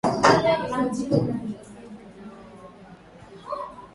Wasangu walirudishwa katika eneo lao la awali